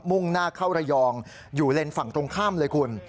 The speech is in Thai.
่งหน้าเข้าระยองอยู่เลนส์ฝั่งตรงข้ามเลยคุณ